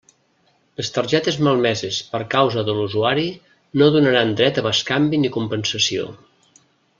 Les targetes malmeses per causa de l'usuari no donaran dret a bescanvi ni compensació.